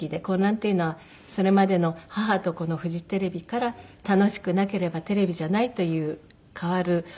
混乱というのはそれまでの「母と子のフジテレビ」から「楽しくなければテレビじゃない」という変わる